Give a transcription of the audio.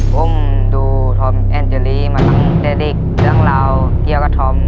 ผมดูทอมแอนเจอรี่มาทั้งเจริกทั้งลาวเที่ยวกับทอม